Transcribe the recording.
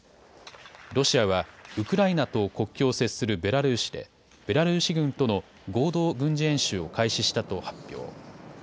ロシアはウクライナと国境を接するベラルーシで、ベラルーシ軍との合同軍事演習を開始したと発表。